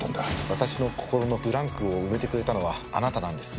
私の心のブランクを埋めてくれたのはあなたなんです。